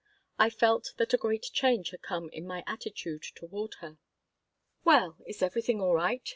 I felt that a great change had come in my attitude toward her "Well, is everything all right?"